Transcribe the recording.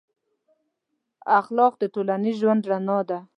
اخلاق د ټولنیز ژوند رڼا ده.